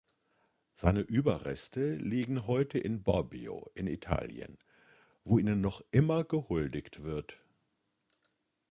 Seine Überreste liegen heute in Bobbio in Italien, wo ihnen noch immer gehuldigt wird.